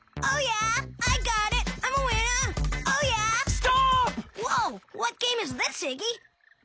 ストーップ！